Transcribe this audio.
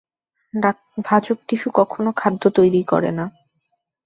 ভাজক টিস্যু কখনো খাদ্য তৈরি করে না।